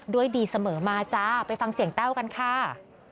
ดีเสมอมาจ้าไปฟังเสียงแต้วกันค่ะ